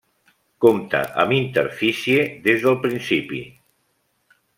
Compta amb interfície des del principi.